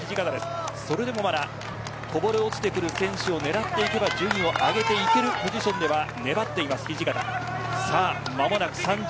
それでもこぼれ落ちてくる選手を狙って順位を上げていくポジションで粘っています。